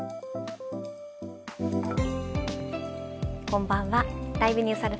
こんばんは。